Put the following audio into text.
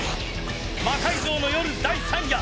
「魔改造の夜第３夜」